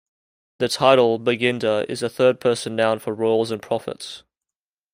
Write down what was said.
The title "baginda" is a third-person noun for royals and prophets.